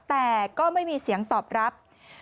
แต่ก็ไม่มีเสียงตอบรับ